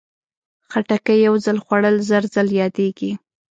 خټکی یو ځل خوړل، زر ځل یادېږي.